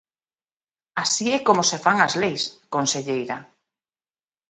Así é como se fan as leis, conselleira.